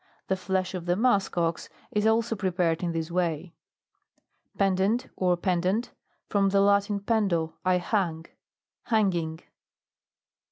The flesh of the musk ox is also prepared in this way. PENDENT, (or pendant) From the Lat in, pcndo, I hang. Hanging.